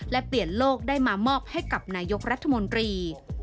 และเปลี่ยนโลกได้มามอบให้กับนายกรัฐมนตรี